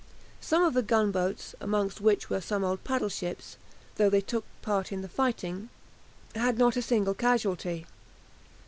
Some of the gunboats, among which were some old paddle ships, though they took part in the fighting, had not a single casualty.